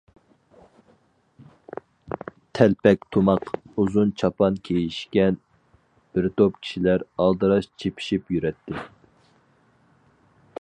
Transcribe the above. تەلپەك تۇماق، ئۇزۇن چاپان كىيىشكەن بىر توپ كىشىلەر ئالدىراش چېپىشىپ يۈرەتتى.